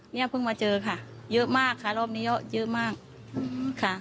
เนี่ยเพิ่งมาเจอค่ะเยอะมากค่ะรอบนี้เยอะเยอะมากค่ะ